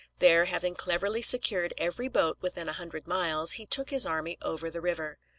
There, having cleverly secured every boat within a hundred miles, he took his army over the river.